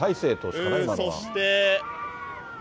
そして。